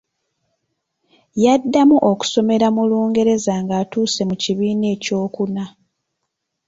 Yaddamu okusomera mu Lungereza ng’atuuse mu kibiina eky’okuna.